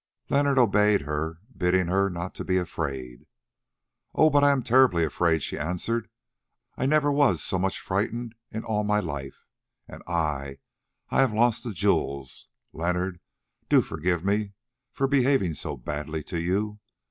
Leonard obeyed her, bidding her not to be afraid. "Oh! but I am terribly afraid," she said. "I never was so much frightened in all my life, and I—I have lost the jewels! Leonard, do forgive me for behaving so badly to you.